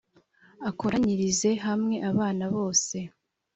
akoranyirize hamwe abana bose